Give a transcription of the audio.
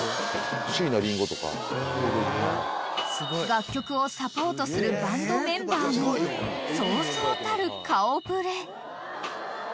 ［楽曲をサポートするバンドメンバーもそうそうたる顔触れ］